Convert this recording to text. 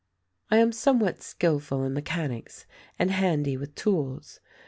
"I am somewhat skilful in mechanics and handy with tools.